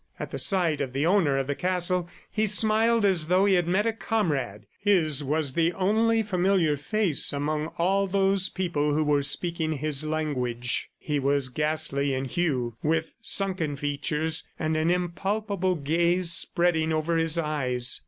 At the sight of the owner of the castle he smiled as though he had met a comrade. His was the only familiar face among all those people who were speaking his language. He was ghastly in hue, with sunken features and an impalpable glaze spreading over his eyes.